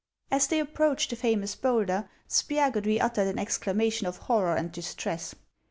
As they approached the famous bowlder, Spiagudry uttered an exclamation of horror and distress.